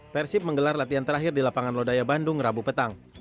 persib menggelar latihan terakhir di lapangan lodaya bandung rabu petang